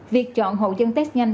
việc chọn hậu dân test nhanh